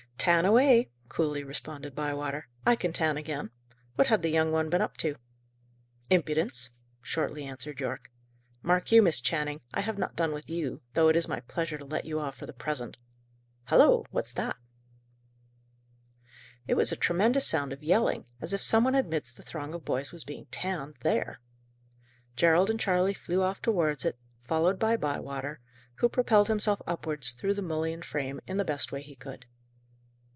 "Tan away," coolly responded Bywater. "I can tan again. What had the young one been up to?" "Impudence," shortly answered Yorke. "Mark you, Miss Channing! I have not done with you, though it is my pleasure to let you off for the present. Halloa! What's that?" It was a tremendous sound of yelling, as if some one amidst the throng of boys was being "tanned" there. Gerald and Charley flew off towards it, followed by Bywater, who propelled himself upwards through the mullioned frame in the best way he could.